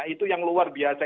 itu yang luar biasa